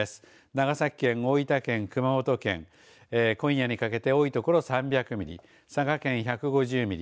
長崎県、大分県、熊本県、今夜にかけて多いところ３００ミリ、佐賀県１５０ミリ